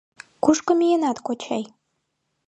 — Кушко миенат, кочай?